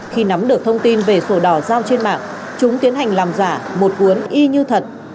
khi nắm được thông tin về sổ đỏ giao trên mạng chúng tiến hành làm giả một cuốn y như thật